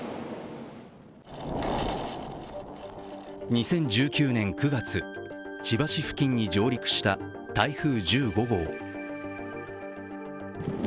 ２０１９年９月、千葉市付近に上陸した台風１５号。